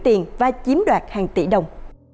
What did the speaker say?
tiền và chiếm đoạt hàng tỷ đồng